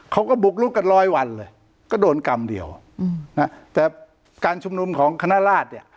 เขาก็บุกลุกกันร้อยวันเลยก็โดนกรรมเดียวแต่การชุมนุมของคณะราชเนี่ย